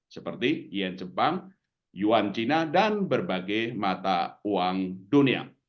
seperti yen jepang yuan cina dan berbagai mata uang dunia